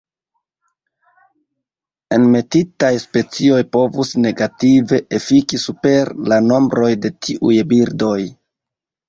Enmetitaj specioj povus negative efiki super la nombroj de tiuj birdoj.